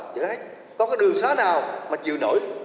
có cái đường xá nào mà chịu nổi